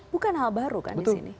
bukan hal baru kan disini